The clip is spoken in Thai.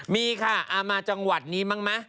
มีค่ะมาจังหวัดนี้บ้างไหม